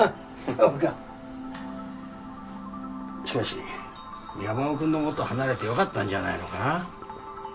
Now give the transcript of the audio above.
そうかしかし山尾君のもとを離れてよかったんじゃないのか？